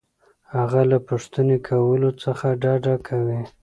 هغه له پوښتنې کولو څخه ډډه کوي.